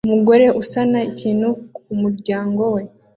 Umugore usana ikintu kumuryango we